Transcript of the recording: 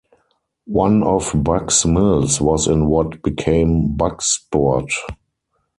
One of Buck's mills was in what became Bucksport.